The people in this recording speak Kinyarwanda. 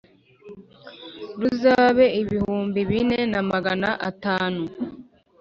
ruzabe ibihumbi bine na magana atanu